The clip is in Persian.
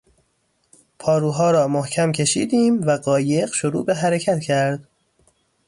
پاروها را محکم کشیدیم و قایق شروع به حرکت کرد.